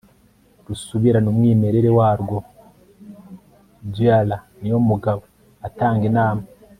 rusubirane umwimerere warwo, dr niyomugabo atanga inama